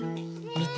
みて。